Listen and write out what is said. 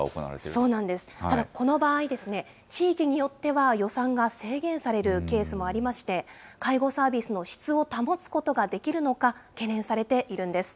そうなんです、ただ、この場合ですね、地域によっては予算が制限されるケースもありまして、介護サービスの質を保つことができるのか、懸念されているんです。